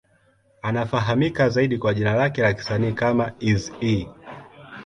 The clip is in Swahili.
Anafahamika zaidi kwa jina lake la kisanii kama Eazy-E.